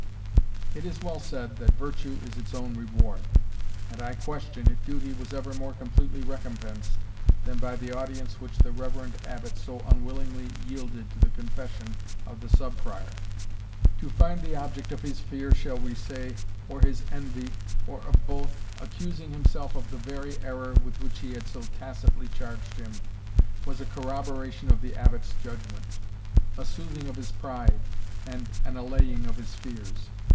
It is well said that virtue is its own reward; and I question if duty was ever more completely recompensed, than by the audience which the reverend Abbot so unwillingly yielded to the confession of the Sub Prior. To find the object of his fear shall we say, or of his envy, or of both, accusing himself of the very error with which he had so tacitly charged him, was a corroboration of the Abbot's judgment, a soothing of his pride, and an allaying of his fears.